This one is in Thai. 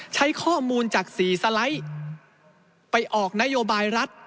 ใช้ข้อมูลจาก๔สไลด์ไปออกนโยบายรัฐ